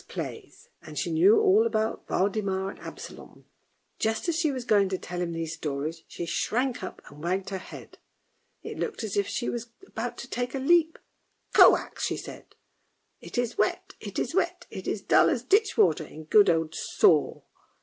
SAID KINO I>, w « A u LITTLE TUK 173 Holberg's plays, and she knew all about Waldemar and Absolom; just as she was going to tell him these stories she shrank up and wagged her head, it looked just as if she was about to take a leap. " Koax," she said, "it is wet, it is wet, it is dull as ditch water — in good old Soro!